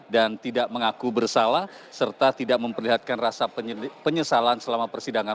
dan tidak mengaku bersalah serta tidak memperlihatkan rasa penyesalan selama persidangan